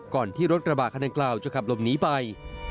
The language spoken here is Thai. ก่อนที่รถกระบะคันดังกล่าวจะขับหลบหนีไป